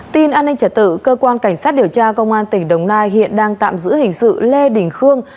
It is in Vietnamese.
tin an ninh trả tự cơ quan cảnh sát điều tra công an tỉnh đồng nai hiện đang tạm giữ hình sự lê đình khương